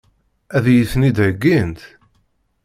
Ad iyi-ten-id-heggint?